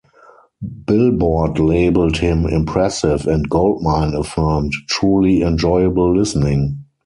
Billboard labelled him "impressive" and Goldmine affirmed, "truly enjoyable listening.